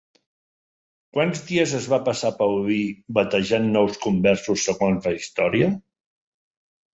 Quants dies es va passar Paulí batejant nous conversos segons la història?